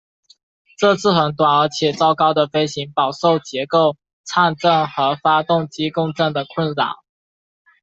这次很短而且糟糕的飞行饱受结构颤振和发动机共振的困扰。